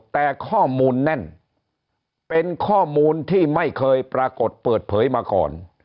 แต่ข้อมูลแน่นเป็นข้อมูลที่ไม่เคยปรากฏเปิดเผยมาก่อน